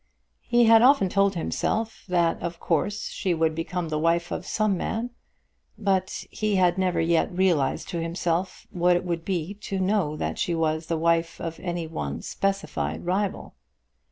He had often told himself that of course she would become the wife of some man, but he had never yet realised to himself what it would be to know that she was the wife of any one specified rival.